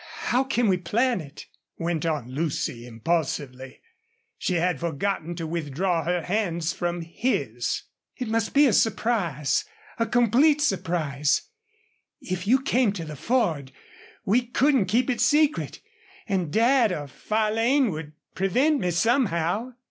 "How can we plan it?" went on Lucy, impulsively. She had forgotten to withdraw her hands from his. "It must be a surprise a complete surprise. If you came to the Ford we couldn't keep it secret. And Dad or Farlane would prevent me, somehow."